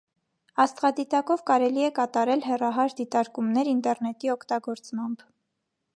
Աստղադիտակով կարելի է կատարել հեռահար դիտարկումներ ինտերնետի օգտագործմամբ։